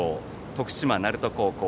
徳島・鳴門高校。